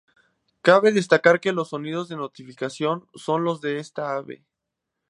Cabe destacar que los sonidos de notificaciones son los de esta ave.